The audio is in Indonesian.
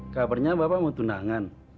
kabarnya bapak mau tunangan